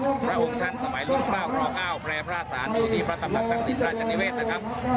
ของพระองค์ท่านสมัยลุงภาพครอบคร่าวแพร่พระศาลอีธีพระตำรักษักษิตรราชนิเวศนะครับ